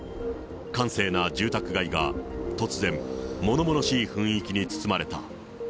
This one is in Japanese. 閑静な住宅街が突然、物々しい雰囲気に包まれた。